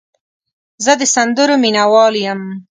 زه د سندرو مینه وال یم.